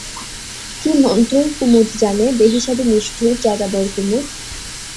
কী মন্ত্রই কুমুদ জানে, বেহিসাবী নিষ্ঠুর যাযাবর কুমুদ।